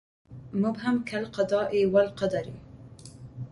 مبهم كالقضاء والقدر